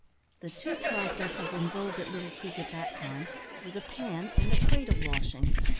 The two processes in vogue at Little Creek at that time were the pan and the cradle washing.